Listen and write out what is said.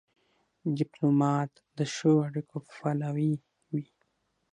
ډيپلومات د ښو اړیکو پلوی وي.